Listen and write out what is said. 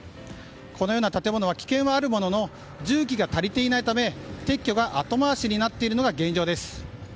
このような建物は危険なあるものの重機が足りていないため撤去が後回しになっているのが現状です。